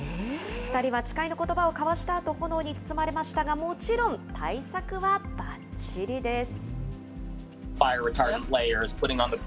２人は誓いのことばを交わしたあと、炎に包まれましたが、もちろん、対策はばっちりです。